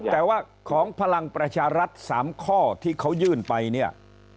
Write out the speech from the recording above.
แต่ว่าของพลังประชารัฐ๓ข้อที่เขายื่นไปเนี่ย